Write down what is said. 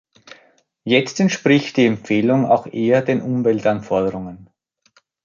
Jetzt entspricht die Empfehlung auch eher den Umweltanforderungen.